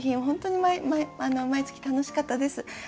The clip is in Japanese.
本当に毎月楽しかったです。